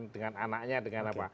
dengan anaknya dengan apa